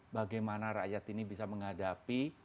bagaimana rakyat ini bisa menghadapi